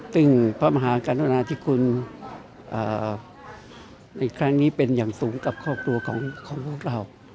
ซึ่งพระมหากรณาธิคุณในครั้งนี้เป็นอย่างสูงกับครอบครัวของพวกเรา